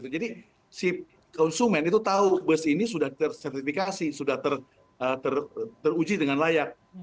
jadi si konsumen itu tahu bus ini sudah tersertifikasi sudah teruji dengan layak